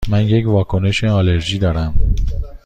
من یک واکنش آلرژی دارم.